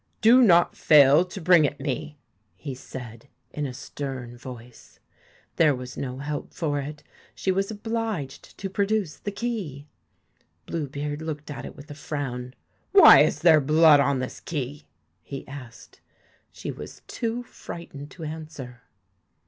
'Do not fail to bring it me,' he said, in a stern voice. There was no help for it She was obliged to produce the key. Blue beard looked at it with a frown. 'Why is there blood on this key ?' he asked. She was too frightened to answer.